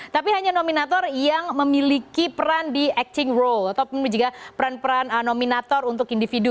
tapi hanya nominator yang memiliki peran di acting role ataupun juga peran peran nominator untuk individu